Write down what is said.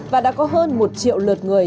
và đã có hơn một triệu lượt người